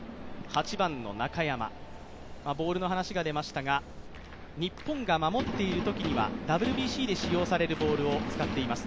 ボールの話が出ましたが日本が守ってきているときにはＷＢＣで使用されるボールを使っています。